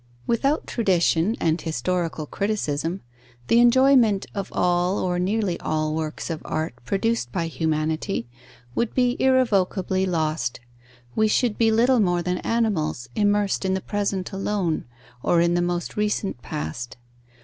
Without tradition and historical criticism, the enjoyment of all or nearly all works of art produced by humanity, would be irrevocably lost: we should be little more than animals, immersed in the present alone, or in the most recent past.